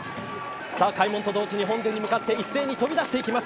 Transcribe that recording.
開門と同時に本殿に向かって一斉に飛び出していきます。